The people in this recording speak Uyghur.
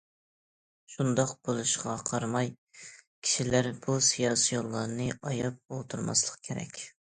شۇنداق بولۇشىغا قارىماي، كىشىلەر بۇ سىياسىيونلارنى ئاياپ ئولتۇرماسلىقى كېرەك.